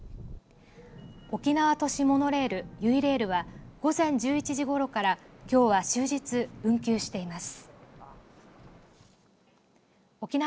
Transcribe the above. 沖縄都市モノレールゆいレールは午前１１時ごろからきょうは終日、運休しています。